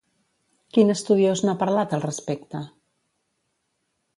Quin estudiós n'ha parlat al respecte?